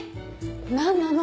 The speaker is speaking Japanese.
何なの？